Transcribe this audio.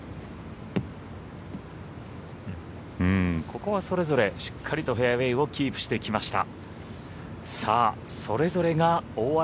ここはそれぞれしっかりとフェアウエーをキープしてきました。